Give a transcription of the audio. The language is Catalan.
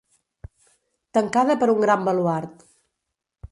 Tancada per un gran baluard.